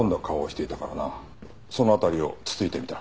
その辺りをつついてみた。